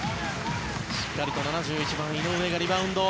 しっかりと７１番の井上がリバウンド。